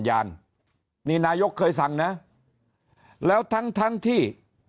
อย่ายอดนี่นายกเคยสั่งนะแล้วทั้งที่